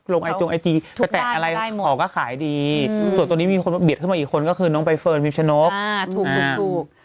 ไอจงไอจีไปแตะอะไรของก็ขายดีส่วนตัวนี้มีคนเบียดเข้ามาอีกคนก็คือน้องใบเฟิร์นพิมชนกถูก